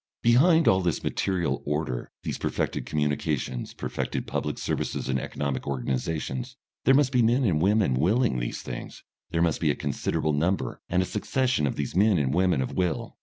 Behind all this material order, these perfected communications, perfected public services and economic organisations, there must be men and women willing these things. There must be a considerable number and a succession of these men and women of will.